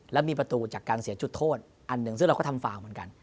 แล้วมีประตูจากการเสียจุดโทษอันหนึ่งซึ่งเราก็ทำฟาวเหมือนกัน